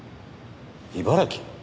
茨城？